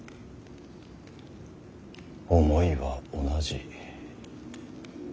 思いは同じ。